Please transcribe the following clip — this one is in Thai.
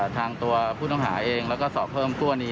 ทางตัวผู้ต้องหาเองแล้วก็สอบเพิ่มก้วนี